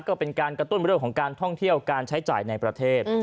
ก็เป็นการกระตุ้นเรื่องของการท่องเที่ยวการใช้จ่ายในประเทศ